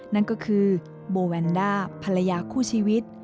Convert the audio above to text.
นั่นก็คือโบแวนด้าภรรยาคู่ชีวิต